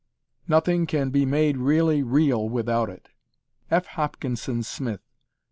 Nothing can be made really real without it. F. HOPKINSON SMITH.